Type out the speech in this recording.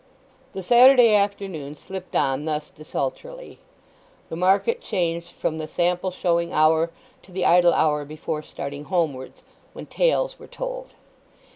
The Saturday afternoon slipped on thus desultorily. The market changed from the sample showing hour to the idle hour before starting homewards, when tales were told.